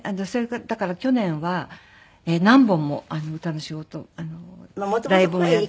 だから去年は何本も歌の仕事ライブもやったし。